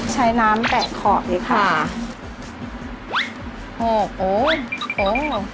ใช้น้ำแตะขอบดีค่ะ